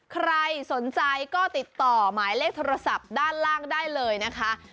ใครสนใจก็ติดต่อหมายเลขโทรศัพท์ด้านล่างได้เลยนะคะ